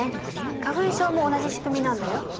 花粉症も同じしくみなんだよ。